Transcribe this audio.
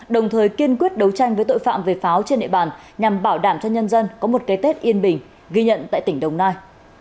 đồng thời kiên quyết đấu tranh với tội phạm về pháo trên địa bàn nhằm bảo đảm cho nhân dân có một cái tết yên bình ghi nhận tại tỉnh đồng nai